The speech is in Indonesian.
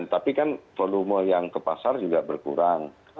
tapi kan volume yang ke pasar juga berkurang